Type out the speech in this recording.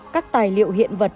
các tài liệu hiện vật